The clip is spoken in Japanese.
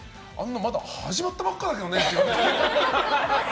まだ始まったばっかりだけどねって。